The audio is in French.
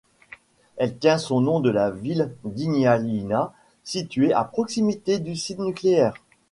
Elle tient son nom de la ville d'Ignalina, située à proximité du site nucléaire.